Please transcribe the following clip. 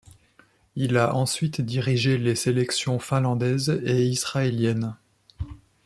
Il a ensuite dirigé les sélections finlandaise et israélienne.